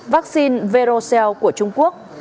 vaccine verocell của trung quốc